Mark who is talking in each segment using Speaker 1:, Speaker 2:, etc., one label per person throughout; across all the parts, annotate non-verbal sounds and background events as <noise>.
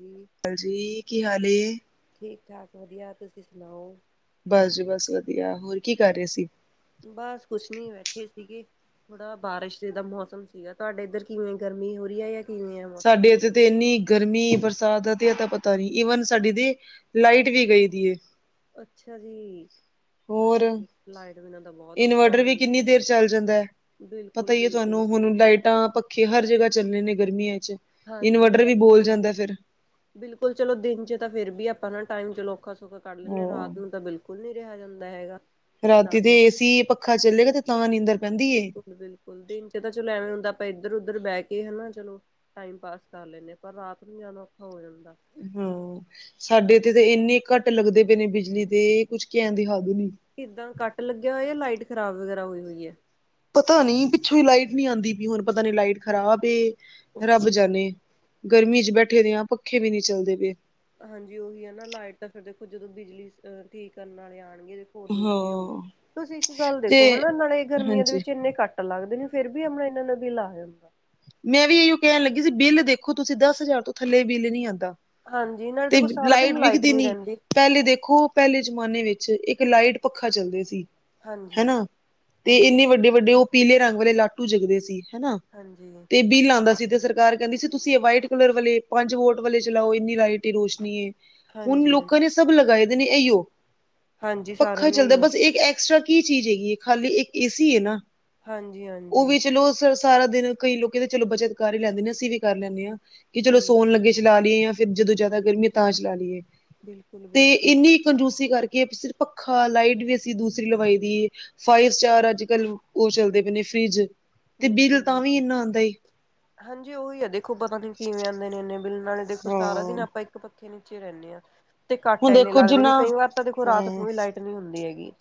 Speaker 1: ਜੀ।
Speaker 2: ਹਾਂਜੀ, ਕੀ ਹਾਲ ਏ?
Speaker 1: ਠੀਕ -ਠਾਕ ਵਧੀਆ, ਤੁਸੀਂ ਸੁਣਾਓ,?
Speaker 2: ਬਸ ਜੀ ਬਸ ਵਧੀਆ, ਹੋਰ ਕੀ ਕਰ ਰਹੇ ਸੀ?
Speaker 1: ਬਸ, ਕੁਛ ਨੀ ਬੈਠੇ ਸੀਗੇ। ਥੋੜਾ, ਬਾਰਿਸ਼ ਦਾ ਮੌਸਮ ਸੀਗਾ ਤੁਹਾਡੇ ਇੱਧਰ ਕਿਵੇਂ ਗਰਮੀ ਹੋ ਰਹੀ ਹੈ ਕਿਵੇਂ ਹੈ ਮੌਸਮ
Speaker 2: ਸਾਡੇ ਇੱਥੇ ਤੇ ਇੰਨੀ ਗਰਮੀ, ਬਰਸਾਤ ਤੇ ਇਹ ਤਾਂ ਪਤਾ ਨੀ ਈਵਨ ਸਾਡੀ ਤੇ ਲਾਈਟ ਵੀ ਗਈ ਦੀ।
Speaker 1: ਅੱਛਾ ਜੀ, ਲ
Speaker 2: ਹੋਰ
Speaker 1: ਲਟ ਬ <unintelligible>
Speaker 2: ਇਨਵਰਟਰ ਵੀ ਕਿੰਨੀ ਦੇਰ ਚੱਲ ਜਾਂਦਾ ਹੈ? ਪਤਾ
Speaker 1: ਬਿਲਕੁਲ
Speaker 2: ਹੀ ਹੈ
Speaker 1: ਬਿਲਕੁਲ
Speaker 2: ਤੁਹਾਨੂੰ, ਹੁਣ ਲਾਈਟਾਂ ਖੇ ਹਰ ਜਗ੍ਹਾ ਚੱਲਣੇ ਨੇ ਗਰਮੀਆਂ ਵਿੱਚ,
Speaker 1: ਹਾਂਜੀ
Speaker 2: ਇਨਵਰਟਰ ਵੀ
Speaker 1: ਹਾਂਜੀ
Speaker 2: ਬੋਲ ਜਾਂਦਾ ਫਿਰ।
Speaker 1: ਬਿਲਕੁਲ ਚਲੋ, ਦਿਨ ਚ ਤਾਂ ਫੇਿਰ ਵੀ ਆਪਾਂ ਟਾਈਮ ਚਲੋ ਔਖਾ ਸੌਖਾ ਕੱਢ ਲੈਂਦੇ ਹ
Speaker 2: ਹਾਂ
Speaker 1: ਰਾਤ ਨੂੰ ਤਾਂ ਬਿਲਕੁਲ ਖੁਲ ਨੀ ਰਿਹਾ ਜਾਂਦਾ ਹੈਗਾ।
Speaker 2: ਰਾਤੀ ਤੇ ਏਸੀ, ਪੱਖਾ ਚੱਲੇਗਾ ਤੇ ਤਾਂ ਨੀਂਦਰ ਪੈਂਦੀ ਏ।
Speaker 1: ਬਿਲਕੁਲ ਬਿਲਕੁਲ ਦਿਨ ਚ ਤਾਂ ਚਲੋ ਐਵੇਂ ਹੁੰਦਾ, ਆਪਾਂ ਇੱਧਰ ਉੱਧਰ ਬਹਿ ਕੇ ਹਨਾ ਚਲੋ। ਟਾਈਮ ਪਾਸ ਕਰ ਲੈਂਦੇ, ਪਰ ਰਾਤ ਨੂੰ ਜਦਾ ਔਖਾ ਹੋ ਜਾਂਦਾ।
Speaker 2: ਹਾਂ ਸਾਡੇ ਤੇ ਤਾਂ ਇੰਨੇ ਘੱਟ ਲੱਗਦੇ ਪਏ ਨੇ ਬਿਜਲੀ ਤੇ ਇਹ ਕੁਝ ਕਹਿਣ ਦੀ ਹੱਦ ਨੀ।
Speaker 1: ਕਿੱਦਾਂ ਕੱਟ ਲੱਗਿਆ ਹੋਇਆ, ਲਾਈਟ ਖ਼ਰਾਬ ਵਗੈਰਾ ਹੋਈ ਹੋਈ ਐ?
Speaker 2: ਪਤਾ ਨੀ ਪਿੱਛੋਂ ਈ ਲਾਈਟ ਨੀ ਆਂਦੀ ਪਈ ਹੁਨ ਪਤਾ ਨੀ ਲਾਈਟ ਖਰਾਬ ਏ, ਰੱਬ
Speaker 1: ਓਕੇ।
Speaker 2: ਜਾਨੇ। ਗਰਮੀ 'ਚ ਬੈਠੇ ਦੇ ਆਂ, ਪੱਖੇ ਵੀ ਨੀ ਚੱਲਦੇ ਪਏ।
Speaker 1: ਹਾਂਜੀ ਓਈ ਹੈ ਨਾ, ਲਾਈਟ ਤਾਂ ਫਿਰ ਦੇਖੋ ਜਦੋਂ ਬਿਜਲੀ ਅ ਠੀਕ ਕਰਨ ਆਲੇ ਆਣਗੇ ਓਦੋਂ ਈ ਸਈ ਹੋਊਗੀ,
Speaker 2: ਹਾਂ
Speaker 1: ਤੁਸੀਂ ਇੱਕ ਗੱਲ
Speaker 2: ਤੇ
Speaker 1: ਦੇਖੋ ਹਨਾ, ਨਾਲੇ ਗਰਮੀਆਂ ਦੇ
Speaker 2: ਹਾਂਜੀ
Speaker 1: ਵਿੱਚ ਏਨੇ ਕੱਟ ਕੱਟ ਲੱਗਦੇ ਨੇ ਫਿਰ ਵੀ ਅਪਨਾ ਇਨਾਂ-ਇਨਾਂ ਬਿਲ ਆ ਜਾਂਦਾ ਐ।
Speaker 2: ਮੈਂ ਵੀ ਐਈਓ ਕਹਿਣ ਲੱਗੀ ਸੀ, ਬਿੱਲ ਦੇਖੋ ਤੁਸੀਂ ਦਸ ਹਜ਼ਾਰ ਤੋਂ ਥੱਲੇ ਬਿੱਲ ਨੀ ਆਂਦਾ।
Speaker 1: ਹਾਂਜੀ, ਨਾਲੇ ਦੇਖੋ ਸਾਰਾ ਦਿਨ ਲਾਈਟ ਨੀ ਰਹਿੰਦੀ।
Speaker 2: ਪਹਿਲੇ ਦੇਖੋ, ਪਹਿਲੇ ਜ਼ਮਾਨੇ ਵਿੱਚ ਇੱਕ ਲਾਈਟ, ਪੱਖਾ ਚੱਲਦੇ ਸੀ।
Speaker 1: ਹਾਂਜੀ
Speaker 2: ਹਨਾ, ਤੇ
Speaker 1: ਹਾਂਜੀ। ਹਾਂਜੀ
Speaker 2: ਇੰਨੇ ਵੱਡੇ-ਵੱਡੇ, ਓ ਪੀਲੇ ਰੰਗ ਵਾਲੇ ਲਾਟੂ ਜਗਦੇ ਸੀ, ਹਨਾ?
Speaker 1: ਹਾਂਜੀ।
Speaker 2: ਤੇ ਬਿੱਲ ਆਂਦਾ ਸੀ ਤੇ ਸਰਕਾਰ ਕਹਿੰਦੀ ਸੀ ਤੁਸੀਂ ਐ ਵਾਈਟ ਕਲਰ ਵਾਲੇ ਪੰਜ ਵੋਟ ਵਾਲੇ ਚਲਾਓ ਇੰਨੀ ਲਾਈਟ, ਰੋਸ਼ਨੀ ਏ ਹੁਨ
Speaker 1: ਹਾਂਜੀ
Speaker 2: ਲੋਕਾਂ ਨੇ ਸਭ ਲਗਾਏ ਦੇ ਨੇ ਏਈਓ।
Speaker 1: ਹਾਂਜੀ ਸਾਰਿਆਂ
Speaker 2: ਪੱਖਾ
Speaker 1: ਦੇ ਹੀ
Speaker 2: ਚੱਲਦਾ,
Speaker 1: ਨੇ
Speaker 2: ਬਸ ਏਕ ਐਕਸਟਰਾ ਕੀ ਚੀਜ਼ ਹੈਗੀ ਏ? ਖਾਲੀ ਇੱਕ ਏਸੀ ਏ ਨਾ,
Speaker 1: ਹਾਂਜੀ
Speaker 2: ਓ
Speaker 1: ਹਾਂਜੀ।
Speaker 2: ਵੀ ਚਲੋ ਸਾਰਾ ਦਿਨ ਕਈ ਲੋਕ ਤੇ ਚਲੋ ਬਚਤ ਕਰ ਹੀ ਲੈਂਦੇ ਨੇ, ਅਸੀਂ ਵੀ ਕਰ ਲੈਂਨੇ ਆਂ ਕਿ ਚਲੋ
Speaker 1: ਹਾਂਜੀ
Speaker 2: ਸੋਨ ਲੱਗੇ ਚਲਾ ਲਈਏ ਯਾ ਫਿਰ ਜਦੋਂ ਜ਼ਿਆਦਾ ਗਰਮੀ, ਤਾਂ ਚਲਾ ਲਈਏ
Speaker 1: ਬਿਲਕੁਲ
Speaker 2: ਤੇ
Speaker 1: ਬਿਲਕੁਲ
Speaker 2: ਇੰਨੀ ਕੰਜੂਸੀ ਕਰਕੇ ਸਿਰਫ਼ ਪੱਖਾ, ਲਾਈਟ ਵੀ ਅਸੀਂ ਦੂਸਰੀ ਲਵਾਈ ਦੀ ਏ, ਫਾਈਵ ਸਟਾਰ ਅੱਜ ਕੱਲ ਓ ਚੱਲਦੇ ਪਏ ਨੇ ਫਰਿਜ ਤੇ ਬਿੱਲ
Speaker 1: ਬਿਲਕੁਲ
Speaker 2: ਤਾਂ ਵੀ
Speaker 1: ਬਿਲਕੁਲ।
Speaker 2: ਇੰਨਾ ਹੀ
Speaker 1: ਹਾਂਜੀ ਓਈ ਐ ਦੇਖੋ, ਪਤਾ ਨੀ ਕਿਵੇਂ ਆਂਦੇ ਨੇ ਇੰਨੇ ਬਿੱਲ ਨਾਲੇ ਦੇਖੋ
Speaker 2: ਹਾਂ
Speaker 1: ਸਾਰਾ ਦਿਨ ਆਪਾਂ ਪੱਖੇ ਨੀਚੇ ਰਹਿੰਨੇ ਆਂ ਤੇ ਕੱਟ
Speaker 2: ਹੁਣ
Speaker 1: ਇੰਨੇ
Speaker 2: ਦੇਖੋ
Speaker 1: ਲੱਗਦੇ
Speaker 2: ਜਿੰਨਾ
Speaker 1: ਨੇ, ਕਈ ਵਾਰ ਤਾਂ ਦੇਖੋ ਰਾਤ
Speaker 2: ਹਾਂ
Speaker 1: ਨੂੰ ਵੀ ਲਾਈਟ ਨੀ ਹੁੰਦੀ ਹੈਗੀ।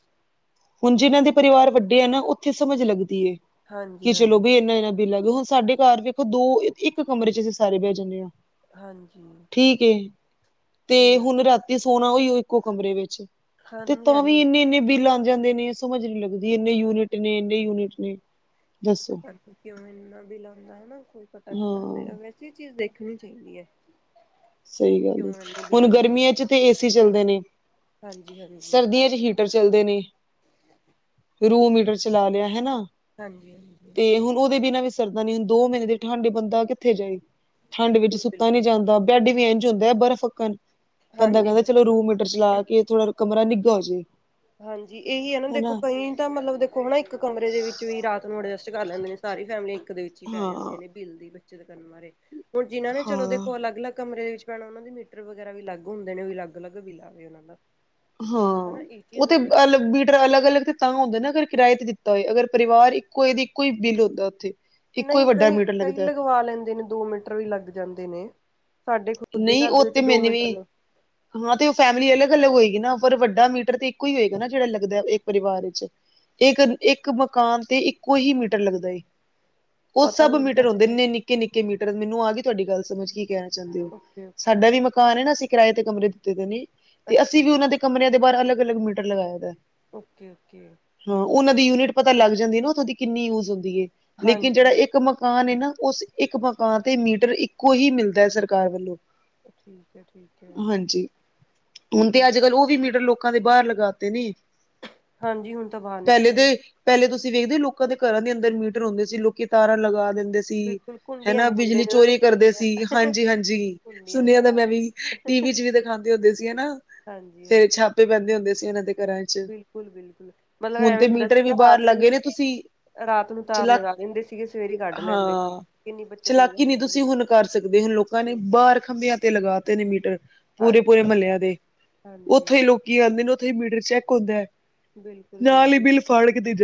Speaker 2: ਹੁਨ ਜਿਨਾਂ ਦੇ ਪਰਿਵਾਰ ਵੱਡੇ ਐ ਨਾ ਓਥੇ ਸਮਝ ਲੱਗਦੀ ਐ
Speaker 1: ਹਾਂਜੀ
Speaker 2: ਕਿ ਚਲੋ
Speaker 1: ਹਾਂਜੀ
Speaker 2: ਵੀ ਏਨਾਂ-ਏਨਾਂ ਬਿੱਲ ਆਗੇ, ਹੁਨ ਸਾਡੇ ਘਰ ਵੇਖੋ ਦੋ ਇੱਕ ਕਮਰੇ 'ਚ ਅਸੀਂ ਸਾਰੇ ਬਹਿ ਜਾਂਨੇ ਆਂ।
Speaker 1: ਹਾਂਜੀ।
Speaker 2: ਠੀਕ ਏ
Speaker 1: ਸਹੀ
Speaker 2: ਤੇ
Speaker 1: ਗੱਲ
Speaker 2: ਹੁਨ ਰਾਤੀ ਸੋਨਾ ਓਇਓ ਇੱਕੋ ਕਮਰੇ ਵਿੱਚ। ਤੇ
Speaker 1: ਹਾਂਜੀ
Speaker 2: ਤਾਂ ਵੀ
Speaker 1: ਹਾਂਜੀ।
Speaker 2: ਇਨੇ-ਇਨੇ ਬਿੱਲ ਆ ਜਾਂਦੇ ਨੇ, ਸਮਝ ਨੀ ਲੱਗਦੀ ਇਨੇ ਯੂਨਿਟ ਨੇ, ਇਨੇ ਯੂਨਿਟ ਨੇ। ਦੱਸੋ
Speaker 1: ਪਤਾ ਨੀ ਕਿਉਂ ਇੰਨਾ ਬਿੱਲ ਆਂਦਾ ਹਨਾ, ਕੋਈ ਪਤਾ ਨੀ ਨਾ ਲੱਗ ਰਯਾ
Speaker 2: ਹਾਂ
Speaker 1: ਵੈਸੇ ਏ ਚੀਜ਼ ਦੇਖਨੀ ਚਾਈਦੀ ਏ।
Speaker 2: ਸਹੀ ਗੱਲ ਏ, ਹੁਨ ਗਰਮੀਆਂ 'ਚ ਤੇ ਏਸੀ ਚੱਲਦੇ ਨੇ,
Speaker 1: ਹਾਂਜੀ ਹਾਂਜੀ
Speaker 2: ਸਰਦੀਆਂ ਚ ਹੀਟ ਟਰ ਚੱਲਦੇ ਨੇ, ਰੂਮ ਮੀਟਰ ਚਲਾ ਲਿਆ ਹਨਾ।
Speaker 1: ਹਾਂਜੀ ਹਾਂਜੀ
Speaker 2: ਤੇ ਹੁਨ ਓਦੇ ਬਿਨਾ ਵੀ ਸਰਦਾ ਨੀ, ਹੁਨ ਦੋ ਮਹੀਨੇ ਦੇ ਠੰਡ ਏ ਬੰਦਾ ਕਿੱਥੇ ਜਾਏ। ਠੰਡ ਵਿੱਚ
Speaker 1: ਬਿਲਕੁਲ
Speaker 2: ਸੁੱਤਾ ਨੀ
Speaker 1: ਬਿਲਕੁਲ
Speaker 2: ਜਾਂਦਾ, ਬੈਡ ਵੀ ਇੰਝ ਹੁੰਦਾ ਐ ਬਰਫ਼ ਵਕਣ। ਬੰਦਾ
Speaker 1: ਹਾਂਜੀ।
Speaker 2: ਕਹਿੰਦਾ ਚਲੋ ਰੂਮ ਮੀਟਰ ਚਲਾ ਕੇ ਥੋੜਾ ਕਮਰਾ ਨਿੱਘਾ ਹੋ ਜੇ।
Speaker 1: ਹਾਂਜੀ ਏਈ ਹੈ ਨਾ ਦੇਖੋ,
Speaker 2: ਹਨਾ
Speaker 1: ਕਈ ਤਾਂ ਮਤਲਬ ਦੇਖੋ ਖੋ ਨਾ ਇੱਕ ਕਮਰੇ ਦੇ ਵਿੱਚ ਵੀ ਰਾਤ ਨੂੰ ਅਡਜਸਟ ਕਰ ਲੈਂਦੇ ਨੇ, ਸਾਰੀ ਫੈਮਿਲੀ ਇੱਕ ਦੇ ਵਿੱਚ ਹੀ ਪੈ ਜਾਂਦੇ
Speaker 2: ਹਾਂ।
Speaker 1: ਨੇ। ਬਿੱਲ ਦੀ ਬਚਤ ਕਰਨ ਮਾਰੇ ਹੁਨ ਜਿਨ੍ਹਾਂ ਨੇ ਚਲੋ
Speaker 2: ਹਾਂ
Speaker 1: ਦੇਖੋ ਅਲੱਗ-ਅਲੱਗ ਕਮਰੇ ਦੇ ਵਿੱਚ ਪੈਣਾ ਓਨਾਂ ਨੇ ਮੀਟਰ ਵਗੈਰਾ ਵੀ ਅਲੱਗ ਹੁੰਦੇ ਨੇ, ਓ ਵੀ ਅਲੱਗ-ਅਲੱਗ ਬਿੱਲ ਆਵੇ ਓਨਾਂ ਦਾ ਹਨਾ।
Speaker 2: ਓ
Speaker 1: ਚੀਜ਼
Speaker 2: ਤੇ ਬਾ
Speaker 1: ਹੁੰਦੀ
Speaker 2: ਮਤਲਬ ਮੀਟਰ ਅਲੱਗ-ਅਲੱਗ ਤੇ ਤਾਂ ਹੁੰਦਾ ਨਾ ਅਗਰ ਕਿਰਾਏ ਤੇ ਦਿੱਤਾ ਹੋਏ, ਅਗਰ ਪਰਿਵਾਰ ਇੱਕੋ ਏ ਤੇ ਇੱਕੋ ਹੀ ਬਿੱਲ ਹੁੰਦਾ ਓਥੇ।
Speaker 1: ਨਹੀਂ ਕਈ, ਕਈ ਲਗਵਾ ਲੈਂਦੇ ਨੇ ਦੋ ਮੀਟਰ ਵੀ ਲੱਗ ਜਾਂਦੇ ਨੇ। ਸਾਡੇ ਖੁਦ ਦੇ
Speaker 2: ਨਹੀਂ
Speaker 1: ਘਰ ਦੇ
Speaker 2: ਉਹ
Speaker 1: ਵਿੱਚ
Speaker 2: ਤੇ
Speaker 1: ਦੋ
Speaker 2: ਮੈਨੂੰ
Speaker 1: ਮੀਟਰ
Speaker 2: ਵੀ
Speaker 1: ਨੇ।
Speaker 2: ਹਾਂ ਤੇ ਓ ਫੈਮਿਲੀ ਅਲੱਗ-ਅਲੱਗ ਹੋਏਗੀ ਨਾ ਪਰ ਵੱਡਾ ਮੀਟਰ ਤੇ ਇੱਕੋ ਹੀ ਹੋਏਗਾ ਨਾ, ਜੇੜਾ ਲੱਗਦਾ ਏਕ ਪਰਿਵਾਰ ਵਿੱਚ। ਇੱਕ, ਇੱਕ ਮਕਾਨ ਤੇ ਇੱਕੋ ਹੀ ਮੀਟਰ ਲੱਗਦਾ ਏ। ਓ
Speaker 1: ਪਤਾ
Speaker 2: ਸਭ
Speaker 1: ਨੀ ਜੀ
Speaker 2: ਮੀਟਰ
Speaker 1: ਸਾਡੇ
Speaker 2: ਹੁੰਦੇ
Speaker 1: ਤਾਂ
Speaker 2: ਨੇ ਨਿੱਕੇ-ਨਿੱਕੇ ਮੀਟਰ, ਮੈਨੂੰ ਆ ਗੀ ਤੁਹਾਡੀ ਗੱਲ ਸਮਝ ਕੀ ਕਹਨਾਂ ਚਾਂਦੇ ਓ।
Speaker 1: ਓਕੇ ਓਕੇ
Speaker 2: ਸਾਡਾ ਵੀ ਮਕਾਨ ਏ ਨਾ, ਅਸੀਂ ਕਿਰਾਏ ਤੇ ਕਮਰੇ ਦਿੱਤੇ ਦੇ ਨੇ ਤੇ
Speaker 1: ਅੱਛਾ
Speaker 2: ਅਸੀਂ ਵੀ
Speaker 1: ਜੀ
Speaker 2: ਓਨਾਂ ਦੇ ਕਮਰਿਆਂ ਦੇ ਬਾਰ ਅਲੱਗ-ਅਲੱਗ ਮੀਟਰ ਲਗਾਇਆ ਦਾ ਐ।
Speaker 1: ਓਕੇ-ਓਕੇ।
Speaker 2: ਹਾਂ ਉਹਨਾਂ ਦੀ ਯੂਨਿਟ ਪਤਾ ਲੱਗ ਜਾਂਦੀ ਨਾ ਓਥੋਂ ਦੀ ਕਿੰਨੀ ਯੂਜ ਹੁੰਦੀ ਏ। ਲੇਕਿਨ
Speaker 1: ਹਾਂਜੀ
Speaker 2: ਜੇੜਾ
Speaker 1: ਹਾਂਜੀ
Speaker 2: ਇੱਕ ਮਕਾਨ ਏ ਨਾ ਉਸ ਇੱਕ ਮਕਾਨ ਤੇ ਮੀਟਰ ਇੱਕੋ ਹੀ ਮਿਲਦਾ ਐ ਸਰਕਾਰ ਵੱਲੋਂ।
Speaker 1: ਠੀਕ ਐ ਠੀਕ ਹੈ
Speaker 2: ਹਾਂਜੀ ਹੁਣ ਤੇ ਅੱਜ ਕੱਲ ਉਹ ਵੀ ਮੀਟਰਰ ਲੋਕਾਂ ਦੇ ਬਾਹਰ ਲਗਾਤੇ ਨੀ।
Speaker 1: ਹਾਂਜੀ ਹੁਣ ਤਾਂ ਬਾਹਰ ਨਿਕਲੋ।
Speaker 2: ਪਹਿਲੇ ਤੁਸੀਂ ਵੇਖਦੇ ਹੋ, ਲੋਕਾਂ ਦੇ ਘਰਾਂ ਦੇ ਅੰਦਰ ਮੀਟਰ ਹਉੁੰਦੇ ਸੀ, ਲੋਕੀ ਤਾਰਾਂ ਲਗਾ ਦਿੰਦੇ ਸੀ। ਸੀ,
Speaker 1: ਬਿਲਕੁਲ ਘੁੰਡੀਆਂ
Speaker 2: ਹੈਨਾ
Speaker 1: ਬੋਲਦੇ
Speaker 2: ਬਿਜਲੀ
Speaker 1: ਨੇ ਉਹਨਾਂ ਨੂੰ
Speaker 2: ਚੋਰੀ ਕਰਦੇ
Speaker 1: ਘੁੰਡੀਆਂ
Speaker 2: ਸੀ, ਹਾਂਜੀ ਹਾਂਜੀ
Speaker 1: ਘੁੰਡੀਆਂ
Speaker 2: ਸੁਣਿਆ
Speaker 1: ਨਾ
Speaker 2: ਦਾ ਮੈਂ
Speaker 1: ਰਾਤ ਨੂੰ
Speaker 2: ਵੀ, ਟੀ ਵੀ ਚ ਵੀ ਦਿਖਾਉਂਦੇ ਹੁੰਦੇ ਸੀ, ਹੈਨਾ
Speaker 1: ਹਾਂਜੀ
Speaker 2: ਫੇਰ
Speaker 1: ਹਾਂਜੀ
Speaker 2: ਛੱਪ। ਪੈਂਦੇ ਹੁੰਦੇ ਸੀ ਇਹਨਾਂ ਦੇ ਘਰਾਂ ਚ,
Speaker 1: ਬਿਲਕੁਲ ਬਿਲਕੁਲ ਮਤਲਬ
Speaker 2: ਹੁਣ
Speaker 1: ਐਵੇਂ
Speaker 2: ਤੇ
Speaker 1: ਹੁੰਦਾ
Speaker 2: ਮੀਟਰ ਵੀ
Speaker 1: ਸੀਗਾ
Speaker 2: ਬਾਹਰ
Speaker 1: ਰਾਤ ਨੂੰ
Speaker 2: ਲੱਗੇ ਨੇ ਤੁਸੀਂ।
Speaker 1: ਰਾਤ ਨੂੰ ਤਾਰ
Speaker 2: ਚਲਾਕ
Speaker 1: ਲਗਾ ਦਿੰਦੇ ਸੀਗੇ ਸਵੇਰੇ ਕੱਢ ਲੈਂਦੇ ਸੀ
Speaker 2: ਹਾਂ
Speaker 1: ਕਿੰਨੀ ਬੱਚਤ ਹੋ
Speaker 2: ਚਲਾਕੀ
Speaker 1: ਜਾਂਦੀ
Speaker 2: ਨਹੀਂ, ਤੁਸੀਂ
Speaker 1: ਸੀਗੀ
Speaker 2: ਹੁਣ ਕਰ ਸਕਦੇ, ਹੁਣ ਲੋਕ। ਲੋਕਾਂ ਨੇ
Speaker 1: ਬਿਲਕੁਲ
Speaker 2: ਬਾਹਰ ਖੰਭਿਆਂ ਤੇ ਲਗਾਤੇ ਨੇ ਮੀਟਰ, ਪੂਰੇ
Speaker 1: ਹਾਂਜੀ
Speaker 2: ਪੂਰੇ
Speaker 1: ਹਾਂਜੀ
Speaker 2: ਮਹੱਲਿਆਂ ਦੇ
Speaker 1: ਹਾਂਜੀ
Speaker 2: ਉੱਥੋਂ ਹੀ ਲੋਕ। ਕੀ ਆਉਂਦੇ ਨੇ ਉੱਥੇ ਹੀ ਮੀਟਰ ਚੈੱਕ ਹੁੰਦਾ ਹੈ,
Speaker 1: ਬਿਲਕੁਲ
Speaker 2: ਨਾਲ ਹੀ
Speaker 1: ਬਿਲਕੁਲ
Speaker 2: ਬਿੱਲ ਫੜ ਕੇ ਦੇਜ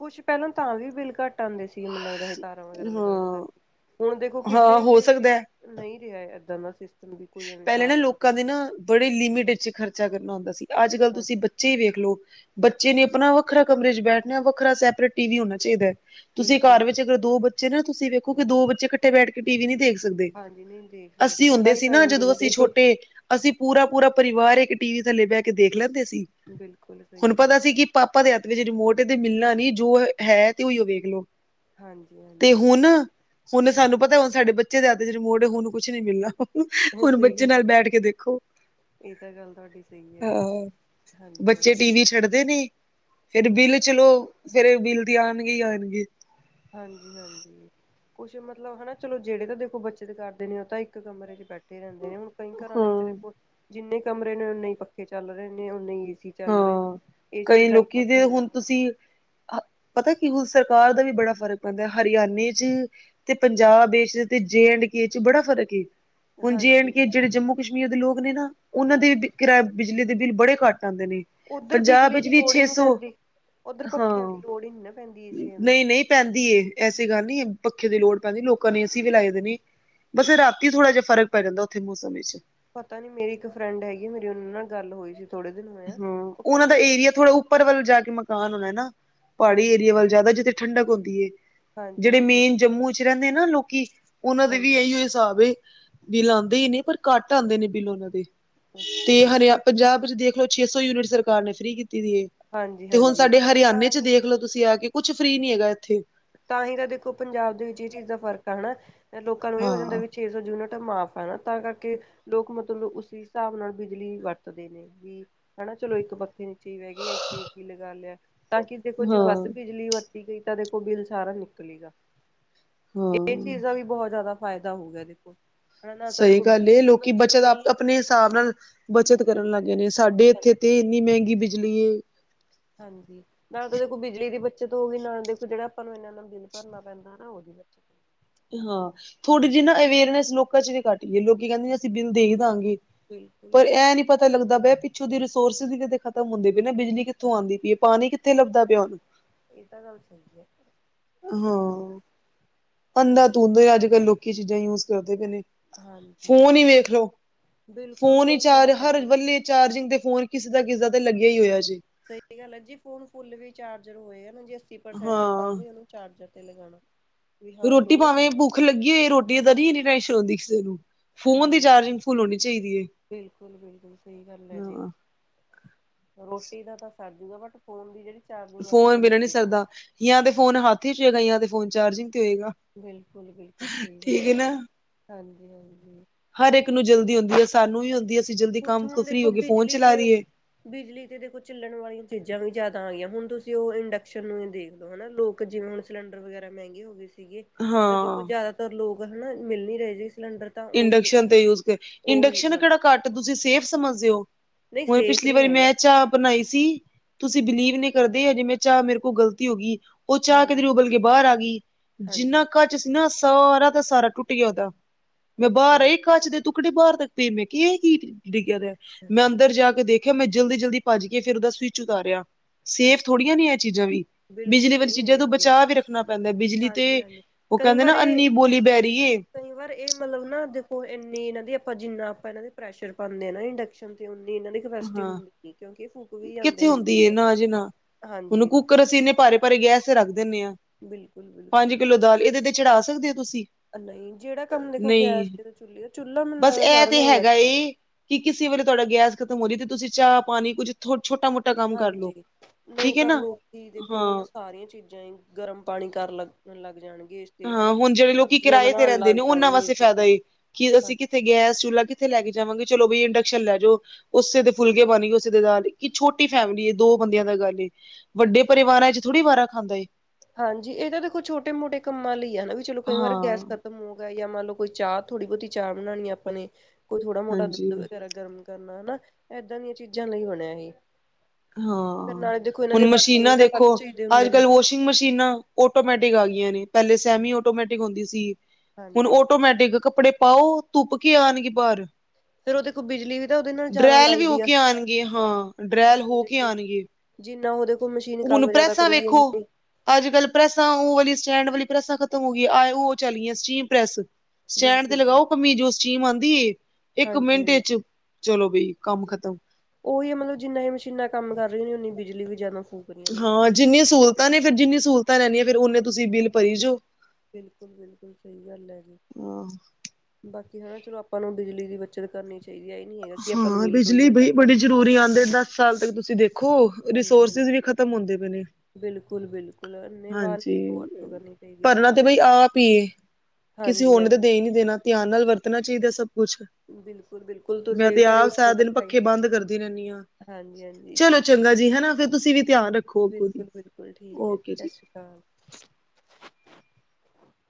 Speaker 1: ਕੁਛ ਪਹਿਲਾਂ ਤਾਂ ਵੀ ਬਿੱਲ ਘੱਟ ਆਉਂਦੇ ਸੀਗੇ, ਮੈਨੂੰ ਲੱਗਦਾ ਸੀ ਤਾਰਾਂ ਵਗੈਰਾ ਲਗਾਉਣ
Speaker 2: ਹਾਂ
Speaker 1: ਕਰਕੇ। ਹੁਣ ਦੇਖੋ
Speaker 2: ਹਾਂ
Speaker 1: ਕਿਸੇ
Speaker 2: ਹੋ
Speaker 1: ਦੇ
Speaker 2: ਸਕਦਾ
Speaker 1: ਨਹੀਂ ਰਿਹਾ, ਏਦਾਂ ਦਾ ਸਿਸਟਮ ਵੀ ਕੋਈ ਐਵੇਂ
Speaker 2: ਪਹਿਲੇ ਨਾ
Speaker 1: ਤਾਰ
Speaker 2: ਲੋਕਾਂ
Speaker 1: ਵਗੈਰਾ।
Speaker 2: ਦੇ ਨਾ ਬੜੇ ਲਿਮਿਟਡ 'ਚ ਖਰਚਾ ਕਰਨਾ ਹੁੰਦਾ ਸੀ, ਅੱਜ ਕੱਲ੍ਹ ਤੁਸੀਂ
Speaker 1: ਹਾਂਜੀ
Speaker 2: ਬੱਚੇ। ਬੱਚੇ ਹੀ ਵੇਖ ਲੋ, ਬੱਚੇ ਨੇ ਆਪਣਾ ਵੱਖਰਾ ਕਮਰੇ 'ਚ ਬੈਠਣਾ, ਵੱਖਰਾ ਸੈਪਰੇਟ ਟੀ ਵੀ ਹੋਣਾ ਚਾਹੀਦਾ ਹੈ। ਤੁਸੀਂ
Speaker 1: ਬਿਲਕੁਲ
Speaker 2: ਘਰ ਵਿੱਚ ਅਗਰ ਦੋ ਬੱਚੇ ਨਾ, ਤੁਸੀਂ ਵੇਖੋ ਕਿ ਦੋ ਬੱਚੇ ਇੱਕਠੇ ਬੈਠ ਕੇ ਟੀ ਵੀ ਨਹੀ ਦੇਖ ਸਕਦੇ,
Speaker 1: ਹਾਂਜੀ ਨਹੀਂ ਦੇਖ
Speaker 2: ਅਸੀ
Speaker 1: ਸਕਦੇ
Speaker 2: ਹੁੰਦੇ ਸੀ
Speaker 1: ਲੜਾਈ
Speaker 2: ਅਸੀਂ
Speaker 1: ਪੈ
Speaker 2: ਨਾ
Speaker 1: ਜਾਂਦੀ
Speaker 2: ਜਦੋਂ
Speaker 1: ਜੇ
Speaker 2: ਅਸੀਂ
Speaker 1: ਤੇ
Speaker 2: ਛੋਟੇ, ਅਸੀਂ ਪੂਰਾ ਪੂਰਾ ਪਰਿਵਾਰ ਇੱਕ ਟੀ ਵੀ ਥੱਲੇ ਬਹਿ ਕੇ ਦੇਖ ਲੈਂਦੇ ਸੀ।
Speaker 1: ਬਿਲਕੁਲ
Speaker 2: ਹੁਣ
Speaker 1: ਸਹੀ ਹੈ
Speaker 2: ਪਤਾ ਸੀ ਕੀ। ਪਾਪਾ ਦੇ ਹੱਥ ਵਿੱਚ ਰਿਮੋਟ ਤੇ ਮਿਲਣਾ ਨੀ, ਜੋ ਹੈ ਤੇ ਉਹੀਓ ਵੇਖਲੋ।
Speaker 1: ਹਾਂਜੀ
Speaker 2: ਤੇ
Speaker 1: ਹਾਂਜੀ ਇਹ ਤਾਂ
Speaker 2: ਹੁਣ, ਹੁਣ ਸਾਨੂੰ ਪਤਾ ਹੁਣ ਸਾਡੇ ਬੱਚੇ ਦੇ ਹੱਥ 'ਚ ਰਿਮੋਟ ਹੈ, ਹੁਣ ਕੁਛ ਨੀ ਮਿਲਣਾ।
Speaker 1: ਗੱਲ
Speaker 2: ਹੁਣ
Speaker 1: ਸਹੀ
Speaker 2: ਬੱਚੇ
Speaker 1: ਹੈ
Speaker 2: ਨਾਲ ਬੈਠ ਕੇ ਦੇਖੋ।
Speaker 1: ਇਹ ਤਾਂ ਗੱਲ ਤੁਹਾਡੀ ਸਹੀ ਹੈ ਜੀ,
Speaker 2: ਹਾਂ
Speaker 1: ਹਾਂਜੀ।
Speaker 2: ਬੱਚੇ
Speaker 1: ਹਾਂਜੀ
Speaker 2: ਟੀ ਵੀ ਛੱਡਦੇ ਨਈ ਫਿਰ ਬਿੱਲ ਚਲੋ, ਫੇਰ ਬਿੱਲ ਤੇ ਆਉਣਗੇ ਹੀ ਆਣਗੇ।
Speaker 1: ਹਾਂਜੀ ਹਾਂਜੀ ਕੁਛ ਮਤਲਬ ਹੈਨਾ ਚਲੋ, ਜਿਹੜੇ ਤਾਂ ਦੇਖੋ ਬੱਚਤ ਕਰਦੇ ਨੇ ਉਹ ਤਾਂ ਇੱਕ ਕਮਰੇ ਚ ਬੈਠੇ ਰਹਿੰਦੇ ਨੇ ਹੁਣ। ਕਈ ਘਰਾਂ ਦੇ ਵਿੱਚ
Speaker 2: ਹਾਂ।
Speaker 1: ਦੇਖੋ, ਜਿੰਨੇ ਕਮਰੇ ਨੇ ਉਨੇ ਹੀ ਪੱਖੇ ਚੱਲ ਰਹੇ ਨੇ, ਓਨੇ ਹੀ ਏ ਸੀ।
Speaker 2: ਹਾਂ ਕਈ ਲੋਕੀ ਦੇ ਹੁਣ
Speaker 1: ਨਾ
Speaker 2: ਤੁਸੀਂ। ਪਤਾ ਕੀ, ਹੁਣ ਸਰਕਾਰ ਦਾ ਵੀ ਬੜਾ ਫ਼ਰਕ ਪੈਂਦਾ ਹੈ, ਹਰਿਆਣੇ ਚ। ਤੇ ਪੰਜਾਬ ਇਸ, ਤੇ ਜੇ ਐਂਡ ਕੇ ਚ ਬੜਾ ਫਰਕ ਏ ਹੁਣ ਜੇ ਐਂਡ
Speaker 1: ਹਾਂਜੀ
Speaker 2: ਕੇ ਜਿਹੜੇ ਜੰਮੂ ਕਸ਼ਮੀਰ ਦੇ ਲੋਕ ਨੇ ਨਾ, ਉਹਨਾਂ ਦੇ ਕਿਰਾਏ ਬਿਜਲੀ ਦੇ ਬਿੱਲ ਬੜੇ ਘੱਟ। ਜਾਂਦੇ ਨੇ।
Speaker 1: ਉੱਧਰ
Speaker 2: ਪੰਜਾਬ
Speaker 1: ਬਿਜਲੀ
Speaker 2: ਵਿੱਚ
Speaker 1: ਦੀ
Speaker 2: ਵੀ
Speaker 1: ਲੋੜ ਹੀ
Speaker 2: ਛੇ
Speaker 1: ਨਹੀਂ
Speaker 2: ਸੌ
Speaker 1: ਪੈਂਦੀ ਉੱਧਰ
Speaker 2: ਹਾਂ
Speaker 1: ਪੱਖਿਆਂ ਦੀ ਲੋੜ ਹੀ ਨੀ ਨਾ ਪੈਂਦੀ ਏਸੀਆਂ ਦੀ
Speaker 2: ਨਹੀਂ ਨਹੀਂ। ਪੈਂਦੀ ਐ, ਐਸੀੇ ਗੱਲ ਨੀ ਪੱਖੇ ਦੀ ਲੋੜ ਪੈਂਦੀ, ਲੋਕਾਂ ਨੇ ਏ ਸੀਂ ਵੀ ਲਾਏ ਦੇਣੀ। ਬਸ ਰਾਤੀ ਥੋੜ੍ਹਾ ਜਿਹਾ ਫਰਕ ਪੈ ਜਾਂਦਾ, ਉੱਥੇ ਮੌਸਮ ਵਿੱਚ।
Speaker 1: ਪਤਾ ਨੀ ਮੇਰੀ ਇੱਕ ਫਰੈਂਡ ਹੈਗੀ, ਮੇਰੀ ਉਹਨਾਂ ਨਾਲ ਗੱਲ ਹੋਈ ਸੀ। ਥੋੜੇ ਦਿਨ ਹੋਇਆ
Speaker 2: ਹੂੰ,
Speaker 1: ਉਹ
Speaker 2: ਉਹਨਾਂ ਦਾ
Speaker 1: ਕਹਿੰਦੇ
Speaker 2: ਏਰੀਆ ਥੋੜਾ
Speaker 1: ਸਾਨੂੰ
Speaker 2: ਉੱਪਰ ਵੱਲ ਜਾ ਕੇ। ਹੈਨਾ ਪਹਾੜੀ
Speaker 1: ਹਾਂਜੀ
Speaker 2: ਏਰੀਏ ਵੱਲ ਜ਼ਿਆਦਾ, ਜਿੱਥੇ ਠੰਡਕ ਹੁੰਦੀ ਹੈ,
Speaker 1: ਹਾਂਜੀ
Speaker 2: ਜਿਹੜੇ
Speaker 1: ਹਾਂਜੀ
Speaker 2: ਮੇਨ ਜੰਮੂ 'ਚ। ਜਿੱਥੇ ਰਹਿੰਦੇ ਨਾ ਲੋਕੀ, ਉਹਨਾਂ ਦੇ ਵੀ
Speaker 1: ਹਾਂਜੀ
Speaker 2: ਇਹੀ ਹਿਸਾਬ ਹੈ। ਬਿੱਲ ਆਉਂਦੇ ਹੀ ਨੇ, ਪਰ ਘੱਟ ਆਉਂਦੇ ਨੇ ਬਿੱਲ ਉਹਨਾਂ ਦੇ, ਤੇ
Speaker 1: ਓਕੇ
Speaker 2: ਹਰਿਆਣਾ ਪੰਜਾਬ 'ਚ ਦੇਖੋ। ਫੇਰ ਉਹ ਛੇ ਸੌ ਯੂਨਿਟ ਸਰਕਾਰ ਨੇ ਫ੍ਰੀ ਕੀਤੀ ਦੀ ਏ,
Speaker 1: ਹਾਂਜੀ
Speaker 2: ਤੇ ਹੁਣ
Speaker 1: ਹਾਂਜੀ
Speaker 2: ਸਾਡੇ ਹਰਿਆਣੇ
Speaker 1: ਤਾਂ
Speaker 2: 'ਚ
Speaker 1: ਹੀ
Speaker 2: ਦੇਖ ਲੋ। ਤੁਸੀਂ ਆ ਗਏ, ਕੁੱਛ ਫ੍ਰਰੀ ਨਹੀਂ ਹੈਗਾ ਇੱਥੇ।
Speaker 1: ਤਾਂ ਹੀ ਤਾਂ ਦੇਖੋ ਪੰਜਾਬ ਦੇ ਵਿੱਚ ਇਹ ਚੀਜ਼ ਦਾ ਫ਼ਰਕ ਆ, ਹੈਨਾ ਲੋਕਾਂ ਨੂੰ ਇਹ ਹੋ ਜਾਂਦਾ
Speaker 2: ਹਾਂ।
Speaker 1: ਵਿੱਚ। ਛੇ ਸੌ ਯੂਨਿਟ ਮਾਫ਼ ਹੈ ਨਾ, ਤਾਂ ਕਰਕੇ ਲੋਕੀ ਮਤਲਬ ਉਸ ਹਿਸਾਬ ਨਾਲ ਬਿਜਲੀ ਵਰਤਦੇ ਨੇ। ਵੀ ਹਨਾ ਚਲੋ ਇੱਕ ਬੰਤੀ। ਇੱਥੇ ਹੀ ਬਹਿ ਗਈ ਇੱਥੇ ਏ ਸੀ ਲਗਾ ਲਿਆ, ਤਾਂ ਕਿ ਦੇਖੋ ਜੇ ਵੱਧ
Speaker 2: ਹਾਂ,
Speaker 1: ਬਿਜਲੀ ਵਰਤੀ ਗਈ ਤਾਂ ਦੇਖੋ। ਉਹ ਬਿੱਲ ਸਾਰਾ ਨਿਕਲੇਗਾ, ਇਹ
Speaker 2: ਹਾਂ
Speaker 1: ਚੀਜ਼ ਦਾ ਵੀ ਬਹੁਤ ਜ਼ਿਆਦਾ ਫਾਇਦਾ ਹੋ ਗਿਆ ਦੇਖੋ। ਹਨਾ ਨਾ ਤਾਂ
Speaker 2: ਸਹੀ
Speaker 1: ਦੇਖੋ
Speaker 2: ਗੱਲ ਹੈ,
Speaker 1: ਬਿਜਲੀ ਦੀ
Speaker 2: ਲੋਕੀ ਬੱਚਤ
Speaker 1: ਹੋ ਰਹੀ
Speaker 2: ਆਪ ਆਪਣੇ ਹਿਸਾਬ ਨਾਲ। ਬੱਚਤ ਕਰਨ ਲੱਗ ਗਏ ਨੇ, ਸਾਡੇ ਇੱਥੇ
Speaker 1: ਹੈ
Speaker 2: ਤੇ ਇੰਨੀ ਮਹਿੰਗੀ ਬਿਜਲੀ ਹੈ।
Speaker 1: ਹਾਂਜੀ ਨਾਲੇ ਤਾਂ ਦੇਖੋ ਬਿਜਲੀ ਦੀ ਬੱਚਤ। ਚਲੋ ਇਹ ਨਾ ਦੇਖੋ, ਜਿਹੜਾ ਆਪਾਂ ਨੂੰ ਇਹਨਾਂ ਇਹਨਾਂ ਬਿੱਲ ਭਰਨਾ ਪੈਂਦਾ ਨਾ, ਉਹਦੇ ਵਿੱਚ।
Speaker 2: ਹਾਂ, ਥੋੜੀ ਜੀਨਾ ਅਵੇਅਰਨੈਸ ਲੋਕਾਂ 'ਚ ਵੀ ਘੱਟੀ ਗਈਏ ਲੋਕੀ ਕਹਿੰਦੇ ਅਸੀਂ ਬਿੱਲ ਈ ਦਾਗੇ।
Speaker 1: ਬਿਲਕੁਲ ਇਹ
Speaker 2: ਪਰ
Speaker 1: ਤਾਂ
Speaker 2: ਐ ਨੀ ਪਤਾ ਲੱਗਦਾ ਪਿਆ ਪਿੱਛੋਂ ਦੀ ਰਿਸੋਰਸਿਸ ਕਿਤੇ ਖ਼ਤਮ ਹੁੰਦੇ ਪਏ ਨੇ ਬਿਜਲੀ ਕਿੱ ਥੋਂ ਆਦੀ ਪਈ ਏ ਪਾਣੀ ਕਿੱਥੇ ਲੱਭਦਾ ਪਿਆ ਹੁਣ।
Speaker 1: ਏ ਤਾਂ ਗੱਲ ਸਈ ਏ।
Speaker 2: ਹਾਂ, ਪੰਦਰਾਂ
Speaker 1: ਹੈ
Speaker 2: ਤੂੰਦ ਅੱਜ ਕੱਲ੍ਹ ਲੋਕੀ ਚੀਜ਼ਾਂ ਯੂਸ ਕਰਦੇ ਪਏ ਨੇ।
Speaker 1: ਹਾਂਜੀ
Speaker 2: ਫੋਨ ਹੀ ਵੇਖ ਲੋ,
Speaker 1: ਬਿਲਕੁਲ
Speaker 2: ਫੋਨ ਹੀ
Speaker 1: ਦਾ
Speaker 2: ਚਾਰ
Speaker 1: ਤਾਂ ਖਹਿੜਾ
Speaker 2: ਹਰ
Speaker 1: ਹੀ ਨਹੀਂ
Speaker 2: ਬੰਦੇ ਚ ਚਾਰਜਿੰਗ ਤੇ ਫੋਨ ਕਿਸੇ ਦਾ ਕਿਸੇ ਦਾ ਤੇ ਲੱਗਿਆ ਈ ਹੋਇਆ ਜੀ।
Speaker 1: ਸਈ ਗੱਲ ਆ ਜੀ ਫੋਨ ਫੁੱਲ ਵੀ ਚਾਰਜਰ ਹੋਏਗਾ ਨਾ ਜੀ ਅੱਸੀ ਪਰਸੈਂਟ ਤਾ
Speaker 2: ਹਾਂ
Speaker 1: ਵੀ ਓਨੂੰ ਚਾਰਜਰ ਤੇ ਲਗਾਣਾ।
Speaker 2: ਰੋਟੀ ਭਾਵੇਂ ਭੁੱਖ ਲੱਗੀ ਹੋਈ ਆ ਰੋਟੀ ਦੀ ਨਈ ਐਨੀ ਟੈਂਸ਼ਨ ਹੁੰਦੀ ਕਿਸੇ ਨੂੰ। ਫੋਨ ਦੀ
Speaker 1: ਹਾਂਜੀ
Speaker 2: ਚਾਰਜਿੰਗ ਫੁੱਲ ਹੋਣੀ ਚਾਈਦੀ ਐ,
Speaker 1: ਬਿਲਕੁਲ ਬਿਲਕੁਲ ਸਹੀ ਗੱਲ ਹੈ ਜੀ
Speaker 2: ਹਾਂ।
Speaker 1: ਰੋਟੀ ਦਾ ਤਾਂ ਸਰਜੂਗਾ ਬਟ ਫੋਨ ਦੀ ਜੇੜੀ ਚਾਰਜਿੰਗ ਆ ਤਾਂ
Speaker 2: ਫੋਨ
Speaker 1: ਭੁੱਲ
Speaker 2: ਮਿਲ ਨੀ
Speaker 1: ਕ
Speaker 2: ਸਕਦਾ ਜਾਂ ਫੋਨ ਹੱਥ ਚ ਹੋਏਗਾ ਜਾਂ ਤੇ ਫੋਨ ਚਾਰਜਿੰਗ ਤੇ ਹੋਏਗਾ।
Speaker 1: ਬਿਲਕੁਲ-ਬਿਲਕੁਲ ਸਈ ਗੱਲ
Speaker 2: ਠੀਕ ਹੈ ਨਾ
Speaker 1: ਹਾਂਜੀ-ਹਾਂਜੀ।
Speaker 2: ਹਰ ਇੱਕ ਨੂੰ ਜਲਦੀ ਹੁੰਦੀ ਏ ਸਾਨੂੰ ਵੀ ਹੁੰਦੀ ਐ ਅਸੀਂ ਜਲਦੀ
Speaker 1: ਕੁਛ
Speaker 2: ਕੰਮ ਤੋਂ
Speaker 1: ਹੁਣ
Speaker 2: ਫਰੀ ਹੋ
Speaker 1: ਦੇਖੋ
Speaker 2: ਗਏ ਫੋਨ
Speaker 1: ਬਿਜਲੀ ਤੇ
Speaker 2: ਚਲਾ ਲਈਏ।
Speaker 1: ਬਿਜਲੀ ਤੇ ਦੇਖੋ ਚੱਲਣ ਵਾਲੀਆਂ ਚੀਜ਼ਾਂ ਵੀ ਜ਼ਿਆਦਾ ਆ ਗਈਆਂ ਹੁਣ ਤੁਸੀਂ ਉਹ ਇੰਡਕਸ਼ਨ ਨੂੰ ਹੀ ਦੇਖ ਲਓ ਹਨਾ ਲੋਕ ਜਿਵੇਂ ਹੁਣ ਸਿਲੰਡਰ ਵਗੈਰਾ ਮੈਂਗੇ ਹੋਏ ਸੀ ਸੀਗੇ ਤਾਂ ਦੇਖੋ
Speaker 2: ਹਾਂ
Speaker 1: ਜਿਆਦਾਤਰ ਲੋਕ ਹਨਾ ਮਿਲ ਨ ਰਹੇ ਸੀ ਸਿਲੰਡਰ। ਤਾਂ ਉਹੀ
Speaker 2: ਇੰਡਕਸ਼ਨ ਤੇ ਯੂਸ ਕਰ
Speaker 1: ਉਹੀ
Speaker 2: ਇੰਡਕਸ਼ਨ
Speaker 1: ਵਰਤ
Speaker 2: ਕੇੜਾ ਘੱਟ ਤੁਸੀਂ ਸੇਫ ਸਮਝਦੇ ਓ?
Speaker 1: ਨਹੀਂ
Speaker 2: ਉੲ
Speaker 1: ਸੇਫ
Speaker 2: ਪਿਛਲੀ
Speaker 1: ਨਹੀਂ
Speaker 2: ਵਾਰੀ
Speaker 1: ਹੈਗਾ
Speaker 2: ਮੈਂ ਚਾ ਬਣਾਈ ਸੀ, ਤੁਸੀਂ ਬਿਲੀਵ ਨੀ ਕਰਦੇ ਹੈਗੇ ਚਾ ਮੇਰੇ ਕੋਲ ਗ਼ਲਤੀ ਹੋ ਗੀ- - ਓ ਚਾ
Speaker 1: ਹਾਂਜੀ
Speaker 2: ਕਿੱਧਰੇ ਉਬਲ ਕੇ ਬਾਰ ਆ ਗਈ
Speaker 1: ਹਾਂਜੀ
Speaker 2: ਜਿੰਨਾ ਕੱਚ ਸੀ ਨਾ ਸਾਰਾ ਦਾ ਸਾਰਾ ਟੁੱਟ ਗਿਆ ਓਦਾ। ਮੈਂ
Speaker 1: ਅੱਛਾ
Speaker 2: ਬਾਰ
Speaker 1: ਜੀ
Speaker 2: ਆਈ ਕੱਚ ਦੇ ਤੁਕੜੇ ਬਾਰ ਤੱਕ ਪਈ ਮੈਂ ਕੇਆ ਏ ਕੀ ਡਿੱਗਿਆ ਪਇਆ ਮੈਂ ਅੰਦਰ ਜਾ ਕੇ ਦੇਖ ਖਿਆਂ ਮੈਂ ਜਲਦੀ -ਜਲਦੀ ਭੱਜ ਕੇ ਫਿਰ ਓਦਾ ਸਵਿੱਚ ਉਤਾਰਿਆ। ਸੇਫ
Speaker 1: ਅੱਛਾ ਜੀ
Speaker 2: ਥੋੜੀਆਂ ਨੇ ਏ ਚੀਜ਼ਾਂ ਵੀ ਬਿਜਲੀ
Speaker 1: ਬਿਲਕੁਲ
Speaker 2: ਵਾਲੀ
Speaker 1: ਨਹੀਂ
Speaker 2: ਚੀਜ਼ਾਂ
Speaker 1: ਹੈਗੇ
Speaker 2: ਤੋਂ
Speaker 1: ਸੇਫ
Speaker 2: ਬਚਾਅ ਵੀ ਰੱਖਣਾ ਪੈਂਦਾ, ਬਿਜਲੀ
Speaker 1: ਹਾਂਜੀ
Speaker 2: ਤੇ
Speaker 1: ਹਾਂਜੀ
Speaker 2: ਓ
Speaker 1: ਕਈ
Speaker 2: ਕੈਂਦੇ
Speaker 1: ਵਾਰ
Speaker 2: ਨਾ ਅੰਨੀ,
Speaker 1: ਇਹ
Speaker 2: ਬੋਲੀ, ਬੈਰੀਏ।
Speaker 1: ਕਈ ਵਾਰ ਏ ਮਲਬ ਨਾ ਦੇਖੋ ਇੰਨੀ ਇਹਨਾਂ ਦੀ ਆਪਾਂ ਜਿੰਨਾ ਆਪਾਂ ਇਹਨਾਂ ਦੇ ਪ੍ਰੈਸ਼ਰ ਪਾਦੇ ਨਾ ਇੰਡਕਸ਼ਨ ਹਾਜੀ ਓਨੀ ਏਨਾਂ ਦੀ ਕਪੈਸਟੀ
Speaker 2: ਹਾਂ
Speaker 1: ਹੁੰਦੀ ਨੀ ਕਿਉਂਕਿ ਏ ਫੂਕ ਵੀ ਜਾਂਦੇ
Speaker 2: ਕਿੱਥੇ
Speaker 1: ਨੇ
Speaker 2: ਹੁੰਦੀ
Speaker 1: ਕਈ
Speaker 2: ਏ
Speaker 1: ਵਾਰ,
Speaker 2: ਨਾ ਅਜੇ ਨਾ ਹੁਣ
Speaker 1: ਹਾਂਜੀ।
Speaker 2: ਕੁੱਕਰ ਅਸੀਂ ਇੰਨੇ ਭਾਰੇ ਭਾਰੇ ਗੈਸ ਤੇ ਰੱਖ ਦਿੰਦੇ ਆ,
Speaker 1: ਬਿਲਕੁਲ
Speaker 2: ਪੰਜ
Speaker 1: ਬਿਲਕੁਲ
Speaker 2: ਕਿਲੋ ਦਾਲ ਏਦੇ ਤੇ ਚੜਾ ਸਕਦੇ ਆ ਤੁਸੀਂ?
Speaker 1: ਨਈ ਜੇੜਾ ਕੰਮ ਦੇਖੋ
Speaker 2: ਨਹੀਂ
Speaker 1: ਗੈਸ ਤੇ ਚੁੱਲੇ ਚੁੱਲਾ ਮੈਨੂੰ ਲੱਗਦਾ ਸਾਰਿਆਂ ਨਾਲੋਂ ਬੈਸਟ ਆ।
Speaker 2: ਕੀ ਕਿਸੇ ਵੇਲੇ ਤੁਆਡਾ ਗੈਸ ਖ਼ਤਮ ਹੋ ਜੇ ਤੇ ਤੁਸੀਂ ਚਾਅ ਪਾਣੀ ਕੁੱਝ ਛੋਟਾ ਮੋਟਾ ਕੰਮ ਕਰ
Speaker 1: ਹਾਂਜੀ,
Speaker 2: ਲਓ
Speaker 1: ਨੀ
Speaker 2: ਠੀਕ ਹੈ
Speaker 1: ਪਰ
Speaker 2: ਨਾ
Speaker 1: ਲੋਕੀ ਦੇਖੋ ਹਨਾ
Speaker 2: ਹਾਂ
Speaker 1: ਸਾਰੀਆਂ ਚੀਜ਼ਾਂ ਈ ਗਰਮ ਪਾਣੀ ਕਰ ਲੱਗ, ਲੱਗ ਜਾਣਗੇ। ਤੇ
Speaker 2: ਹਾਂ,
Speaker 1: ਹਨਾ
Speaker 2: ਹੁਣ ਜੇੜੇ ਲੋਕ
Speaker 1: ਸਬਜ਼ੀਆਂ
Speaker 2: ਕਿਰਾਏ ਤੇ
Speaker 1: ਬਣਾਉਣ
Speaker 2: ਰੈਂਦੇ
Speaker 1: ਲੱਗ
Speaker 2: ਨੇ ਓਨਾਂ
Speaker 1: ਜਾਣਗੀਆਂ
Speaker 2: ਵਾਸਤੇ
Speaker 1: ਇਸੇ
Speaker 2: ਫਾਇਦਾ
Speaker 1: ਤੇ
Speaker 2: ਏ। ਕੀ ਅਸੀਂ ਕਿੱਤੇ ਗੈਸ ਚੁਲਾ ਕਿੱਤੇ ਲੈ ਕੇ ਜਾਵਾਂਗੇ ਚਲੋ ਬੀ ਇੰਡਕਸ਼ਨ ਲੈ ਜਾਓ। ਓਸੇ ਦੇ ਫੁਲਕੇ ਬਣਗੇ ਓਸੇ ਦੇ ਦਾਲ ਇੱਕ ਛੋਟੀ ਫੈਮਿਲੀ ਐ ਦੋ ਬੰਦਿਆਂ ਦਾ ਗੱਲ ਏ। ਵੱਡੇ ਪਰੀਵਾਰਾਂ ਚ ਥੋੜੀ ਵਾਰ ਖਾਂਦਾ ਏ।
Speaker 1: ਹਾਂਜੀ ਏਦਾ ਤਾਂ ਦੇਖੋ ਛੋਟੇ ਮੋਟੇ ਕੰਮਾਂ ਲਈ ਆ ਨਾ ਵੀ ਚਲੋ ਕਈ ਵਾਰ
Speaker 2: ਹਾਂ
Speaker 1: ਗੈਸ ਮੋ ਜਾਂ ਮੰਨ ਲਓ ਕੋਈ ਚਾਅ ਥੋੜੀ ਬੌਤੀ ਚਾਅ ਬਣਾਣੀ ਆ ਆਪਾਂ ਨੇ, ਕੋ ਥੋੜਾ ਮੋਟਾ
Speaker 2: ਹਾਂਜੀ
Speaker 1: ਦੁੱਧ ਵਗੈਰਾ ਗਰਮ ਕਰਨਾ ਅਨਾ ਏਦਾਂ ਦੀਆਂ ਚੀਜ਼ਾਂ ਨਈ ਬਣਿਆ ਏ।
Speaker 2: ਹਾਂ ਹੁਣ
Speaker 1: ਬਰਤਨ ਵੀ
Speaker 2: ਮਸ਼ੀਨਾਂ
Speaker 1: ਤਾਂ
Speaker 2: ਦੇਖੋ
Speaker 1: ਅਲੱਗ ਚਾਹੀਦੇ
Speaker 2: ਅੱਜ
Speaker 1: ਹੁੰਦੇ ਨੇ
Speaker 2: ਕੱਲ ਵੋ ਛਨ ਮਸ਼ੀਨਾਂ ਆਟੋਮੈਟਿਕ ਆ ਗਈਆਂ ਨੇ ਪੈਲੇ ਸੈਮੀ ਆਟੋਮੈਟਿਕ ਹੁੰਦੀ ਸੀ, ਹੁਣ
Speaker 1: ਹਾਂਜੀ
Speaker 2: ਆਟੋਮੈਟਿਕ ਕੱਪੜੇ ਪਾਓ ਧੁੱਪ ਕੇ ਆਣਗੇ ਬਾਰ।
Speaker 1: ਫੇਰ ਓਦੇ ਕੋ ਬਿਜਲੀ ਵੀ ਤਾਂ ਓਦੇ ਨਾਲ ਜਾਦਾ
Speaker 2: ਡਰੈਲ ਵੀ
Speaker 1: ਲੱਗਦੀ
Speaker 2: ਹੋ
Speaker 1: ਆ
Speaker 2: ਕੇ ਆਣਗੇ ਹਾਂ
Speaker 1: ਜਿ
Speaker 2: ਡਰੈਲ ਹੋ ਕੇ
Speaker 1: ਦੇਖੋ
Speaker 2: ਆਣਗੇ
Speaker 1: ਜਿੰਨਾ ਓ ਕੌ ਮਸ਼ੀਨ
Speaker 2: ਹੁਣ
Speaker 1: ਕੰਮ ਜਾਦੇ
Speaker 2: ਪ੍ਰੈਸਾਂ
Speaker 1: ਕਰੂਗੀ
Speaker 2: ਵੇਖੋ
Speaker 1: ਓਨੀ
Speaker 2: ਅੱਜ ਕੱਲ ਪ੍ਰੈਸਾਂ ਓ ਵਾਲੀ ਸਟੈਂਡ ਵਾਲੀ ਪ੍ਰੈਸਾ ਖਤਮ ਹੋ ਗਈਆਂ ਆ ਓ ਚੱਲ ਗਈਆਂ ਸਟੀਮ ਪ੍ਰੈਸ। ਸਟੈਂਡ
Speaker 1: ਬਿਲਕੁਲ
Speaker 2: ਤੇ
Speaker 1: ਬਿਲਕੁਲ,
Speaker 2: ਲਗਾਓ ਕਮੀ ਜੋ ਸਟੀਮ ਆਦੀ ਏ ਇੱਕ
Speaker 1: ਹਾਂਜੀ
Speaker 2: ਮਿੰਟ
Speaker 1: ਹਾਂਜੀ
Speaker 2: ਚ ਚਲੋ ਬੀ ਕੰਮ ਖਤਮ।
Speaker 1: ਓਈ ਮਤਲਬ ਜਿੰਨਾ ਏ ਮਸ਼ੀਨਾਂ ਕੰਮ ਕਰ ਰਈ ਆ ਹੁੰਦੀ ਬਿਜਲੀ ਵੀ ਜਾਂਦਾ ਫੂ
Speaker 2: ਹਾਂ ਜਿੰਨੀਆਂ ਸੂਲਤਾਂ ਫੇਰ ਜਿੰਨੀਆਂ ਸਹੂਲਤਾਂ ਫੇਰ ਓਨੇ ਤੁਸੀਂ ਬਿਲ
Speaker 1: ਬਿਲਕੁਲ- ਬਿਲਕੁਲ ਸਹੀ ਗੱਲ ਹੈ। ਬਾਕੀ ਹਨਾ ਚਲੋ ਆਪਾਂ ਨੂੰ ਬਿਜਲੀ ਦੀ ਬੱਚਤ ਕਰਨੀ ਚਾਹੀਦੀ ਹੈ ਇਹ ਨੀ ਹੈਗਾ ਕਿ ਆਪਾਂ ਨੂੰ
Speaker 2: ਹਾਂ
Speaker 1: ਮਿਲੀ ਕੋਈ
Speaker 2: ਬਿਜਲੀ
Speaker 1: ਹੈ ਤਾਂ
Speaker 2: ਬਈ
Speaker 1: ਆਪਾਂ
Speaker 2: ਬੜੀ ਜ਼ਰੂਰੀ ਆਂਦੇ ਦਸ ਸਾਲ ਤੱਕ ਤੁਸੀਂ ਦੇਖੋ ਰਿਸੋਰਸਿਸ ਵੀ ਖਤਮ ਹੁੰਦੇ ਪਏ ਨੇ।
Speaker 1: ਬਿਲਕੁਲ-ਬਿਲਕੁਲ ਅੰਨੇ ਵ
Speaker 2: ਹਾਂਜੀ
Speaker 1: ਵਰਤੋਂ ਕਰਨੀ ਚਾਹੀਦੀ ਹੈ ਨਾ
Speaker 2: ਭਰਨਾ ਤੇ
Speaker 1: ਤੁਸੀਂ
Speaker 2: ਬਈ
Speaker 1: ਵੀ
Speaker 2: ਆਪ ਹੀ ਏ, ਕਿਸੇ
Speaker 1: ਹਾਂਜੀ
Speaker 2: ਹੋਰ ਤਾਂ
Speaker 1: ਹਾਂਜੀ
Speaker 2: ਦੇ ਹੀ ਨਹੀਂ ਦੇਣਾ ਧਿਆਨ ਨਾਲ ਵਰਤਣਾ ਚਾਹੀਦਾ ਸਭ ਕੁੱਛ
Speaker 1: ਬਿਲਕੁਲ- ਬਿਲਕੁਲ ਤੁਸੀਂ ਘਰੇ ਇੱਕ
Speaker 2: ਦਿਨ
Speaker 1: ਪੱਖਾ ਹੀ
Speaker 2: ਪੱਖੇ ਬੰਦ ਕਰਦੀ ਰਹਿੰਦੀ ਹਾਂ।
Speaker 1: ਹਾਂਜੀ- ਹਾਂਜੀ ਇੱਕ
Speaker 2: ਚਲੋ
Speaker 1: ਵ
Speaker 2: ਚੰਗਾ ਜੀ ਹਨਾ ਫੇਰ ਤੁਸੀਂ ਵੀ ਧਿਆਨ ਰੱਖੋ ਅੱਗੋਂ ਦੀ
Speaker 1: ਬਿਲਕੁਲ -ਬਿਲਕੁਲ ਠੀਕ ਹੈ ਜੀ ਸਤਿ ਸ਼੍ਰੀ ਅਕਾਲ। ਹਾਂ
Speaker 2: <inaudible>